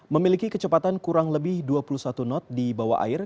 memiliki kecepatan kurang lebih dua puluh satu knot di bawah air